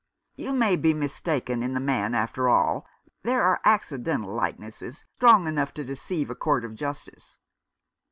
"You may be mistaken in the man, after all. There are accidental likenesses strong enough to deceive a court of justice."